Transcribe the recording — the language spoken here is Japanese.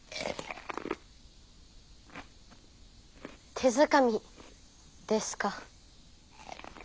「手づかみ」ですか。